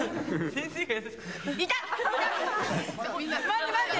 「待って待って」